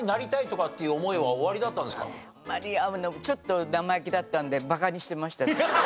ちょっと生意気だったんでバカにしてました。